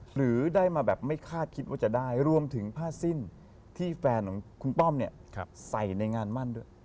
หรือได้มาแบบไม่คาดคิดว่าจะได้รวมถึงผ้าสิ้นที่แฟนของคุณป้อมเนี่ยใส่ในงานมั่นด้วย